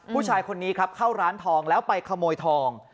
ผู้ชายคนนี้ครับเข้าร้านทองแล้วไปขโมยทอง